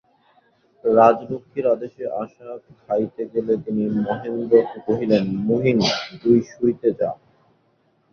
রাজলক্ষ্মীর আদেশে আশা খাইতে গেলে তিনি মহেন্দ্রকে কহিলেন, মহিন, তুই শুইতে যা।